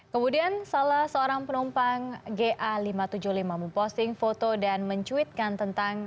kemudian salah seorang penumpang ga lima ratus tujuh puluh lima memposting foto dan mencuitkan tentang